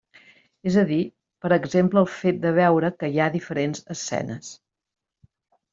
És a dir, per exemple el fet de veure que hi ha diferents escenes.